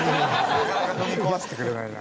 なかなか踏み込ませてくれないな。